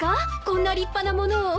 こんな立派な物を。